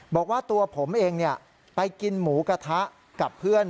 บอกว่าตัวผมเองไปกินหมูกระทะกับเพื่อน